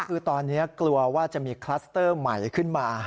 คือตอนนี้กลัวว่าจะมีคลัสเตอร์ใหม่ขึ้นมา